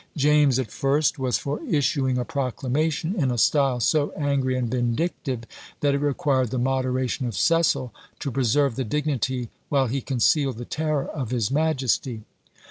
James at first was for issuing a proclamation in a style so angry and vindictive, that it required the moderation of Cecil to preserve the dignity while he concealed the terror of his majesty.